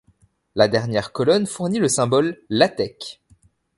La dernière colonne fournit le symbole LaTeX.